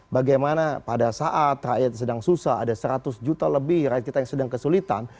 bagaimana pada saat rakyat sedang susah ada seratus juta lebih rakyat kita yang sedang kesulitan